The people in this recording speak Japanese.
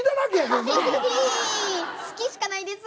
隙しかないです。